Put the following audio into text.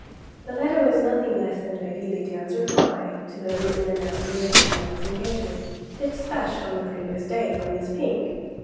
The letter was nothing less than Lady Lydiard's reply to the written announcement of Isabel's engagement, despatched on the previous day by Miss Pink.